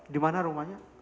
di mana rumahnya